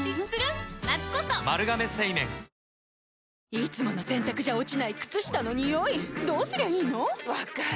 いつもの洗たくじゃ落ちない靴下のニオイどうすりゃいいの⁉分かる。